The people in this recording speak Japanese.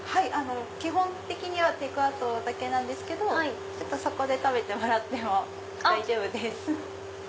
基本的にはテイクアウトだけなんですけどそこで食べてもらっても大丈夫です。